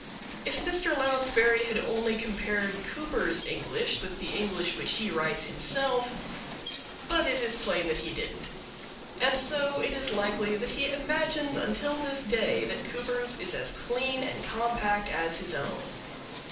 If Mr. Lounsbury had only compared Cooper's English with the English which he writes himself but it is plain that he didn't; and so it is likely that he imagines until this day that Cooper's is as clean and compact as his own.